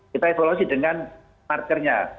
kita evaluasi dengan markernya